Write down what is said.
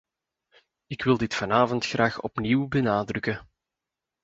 Ik wil dit vanavond graag opnieuw benadrukken.